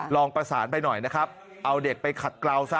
ลองประสานไปหน่อยนะครับเอาเด็กไปขัดเกลาซะ